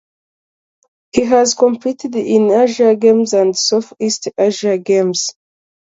He has competed in the Asian Games and the Southeast Asian Games.